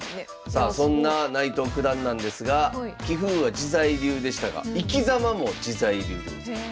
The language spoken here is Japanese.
さあそんな内藤九段なんですが棋風は自在流でしたが生きざまも自在流でございます。